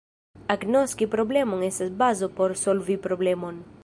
Agnoski problemon estas bazo por solvi problemon.